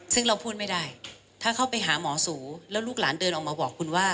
ซึ่งเราพูดไม่ได้ถ้าเข้าไปหาหมอสูแล้วลูกหลานเดินออกมาบอกคุณว่า